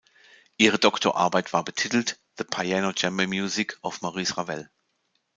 Ihre Doktorarbeit war betitelt "The Piano Chamber Music of Maurice Ravel.